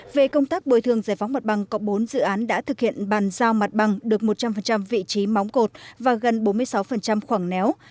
về công tác bồi thường giải phóng mặt bằng cộng bốn dự án đã thực hiện bàn giao mặt bằng được một trăm linh vị trí móng cột và gần bốn mươi sáu khoảng néo